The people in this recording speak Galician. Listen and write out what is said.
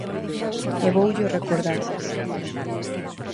E voullo recordar.